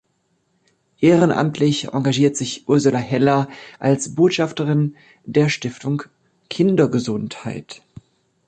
Ehrenamtlich engagiert sich Ursula Heller als Botschafterin der Stiftung Kindergesundheit.